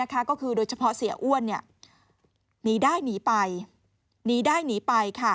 ก็คือโดยเฉพาะเสียอ้วนหนีได้หนีไป